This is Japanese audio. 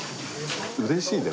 うれしいね。